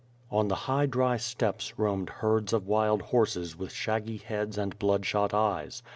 On the high dry steppes, roamed herds of wild horses with shaggy heads and blood shot eyes.